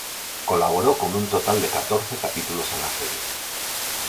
Colaboró con un total de catorce capítulos en la serie.